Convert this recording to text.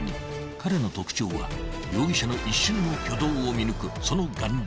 ［彼の特徴は容疑者の一瞬の挙動を見抜くその眼力］